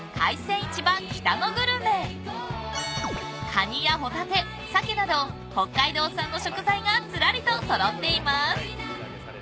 ［カニやホタテサケなど北海道産の食材がずらりと揃っています］